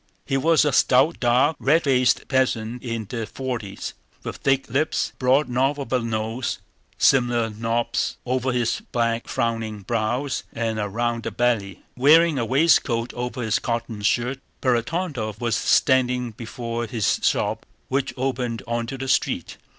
He was a stout, dark, red faced peasant in the forties, with thick lips, a broad knob of a nose, similar knobs over his black frowning brows, and a round belly. Wearing a waistcoat over his cotton shirt, Ferapóntov was standing before his shop which opened onto the street.